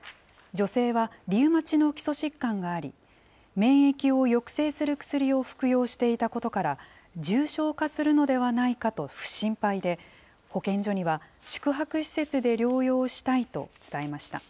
女性はリウマチの基礎疾患があり、免疫を抑制する薬を服用していたことから、重症化するのではないかと心配で、保健所には宿泊施設で療養したいと伝えました。